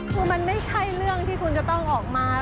คือมันไม่ใช่เรื่องที่คุณจะต้องออกมา